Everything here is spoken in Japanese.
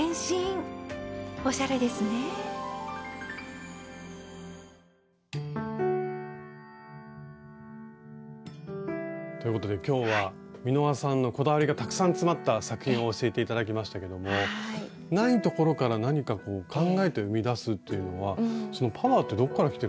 おしゃれですね。ということで今日は美濃羽さんのこだわりがたくさん詰まった作品を教えて頂きましたけどもないところから何か考えて生み出すっていうのはそのパワーってどっからきてるんですか？